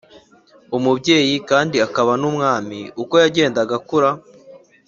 Umubyeyi kandi akaba n umwami uko yagendaga akura